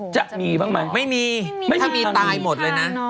จะมีบ้างไหมไม่มีไม่มีตายหมดเลยนะ